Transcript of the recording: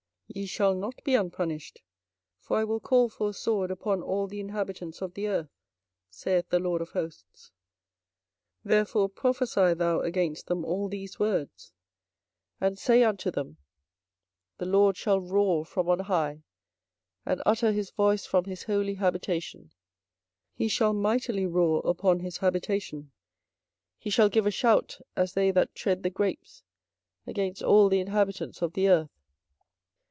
Ye shall not be unpunished: for I will call for a sword upon all the inhabitants of the earth, saith the LORD of hosts. 24:025:030 Therefore prophesy thou against them all these words, and say unto them, The LORD shall roar from on high, and utter his voice from his holy habitation; he shall mightily roar upon his habitation; he shall give a shout, as they that tread the grapes, against all the inhabitants of the earth.